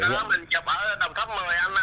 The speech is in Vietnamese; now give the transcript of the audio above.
ở đó mình chụp ở tầm thấp một mươi anh ạ